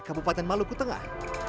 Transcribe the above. kabupaten maluku tengah